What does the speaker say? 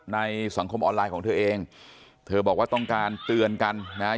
ในสังคมออนไลน์ของเธอเองเธอบอกว่าต้องการเตือนกันนะฮะ